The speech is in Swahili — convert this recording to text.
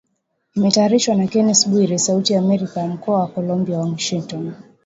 Imetayarishwa na Kennes Bwire, Sauti ya Amerika, Mkoa wa Colombia Washington.